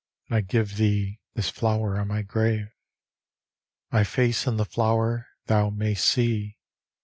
... And I give thee this flower on my grave. My face in the flower thou mayst sec.